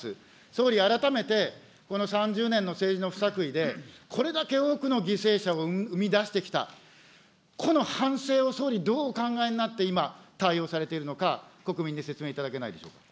総理、改めてこの３０年の政治の不作為で、これだけ多くの犠牲者を生み出してきた、この反省を総理、どうお考えになって今、対応されているのか、国民に説明していただけないでしょうか。